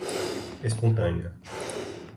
espontânea